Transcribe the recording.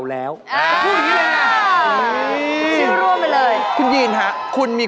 กลับไปก่อนเลยนะครับ